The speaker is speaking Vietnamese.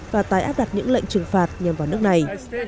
và tái áp đặt những lệnh trừng phạt nhằm vào nước này